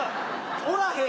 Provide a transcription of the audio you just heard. おらへん。